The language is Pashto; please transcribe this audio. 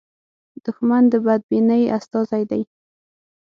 دښمن د بدبینۍ استازی دی